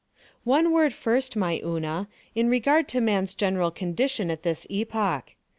_ Monos._ One word first, my Una, in regard to man's general condition at this epoch.